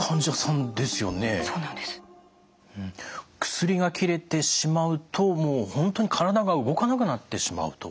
薬が切れてしまうともう本当に体が動かなくなってしまうと。